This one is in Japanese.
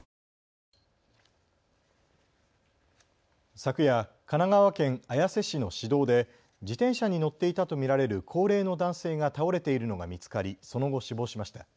昨夜、神奈川県綾瀬市の市道で自転車に乗っていたと見られる高齢の男性が倒れているのが見つかり、その後死亡しました。